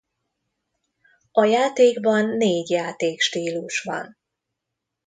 A játékban négy játékstílus van.